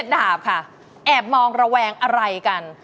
ดาบค่ะแอบมองระแวงอะไรกัน